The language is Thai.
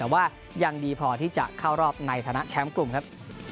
แต่ว่ายังดีพอที่จะเข้ารอบในฐานะแชมป์กลุ่มครับ